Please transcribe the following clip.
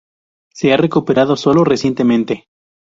Se ha recuperado sólo recientemente.